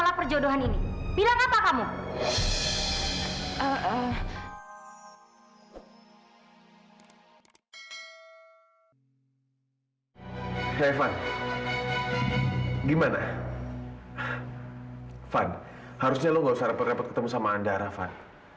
van harusnya lo gak usah repot repot ketemu sama andara van